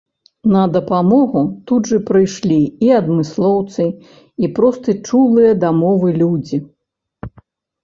На дапамогу тут жа прыйшлі і адмыслоўцы, і проста чулыя да мовы людзі.